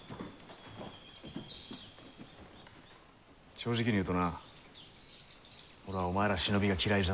正直に言うとな俺はお前ら忍びが嫌いじゃった。